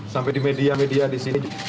sampai di media media di sini